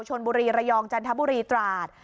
ชนบุรีระยองจันทบุรีตราด